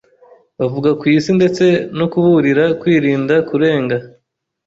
bavugwa ku isi ndetse no kuburira kwirinda kurenga